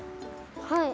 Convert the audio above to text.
はい。